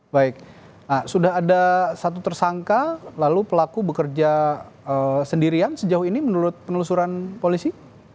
baik sudah ada satu tersangka lalu pelaku bekerja sendirian sejauh ini menurut penelusuran polisi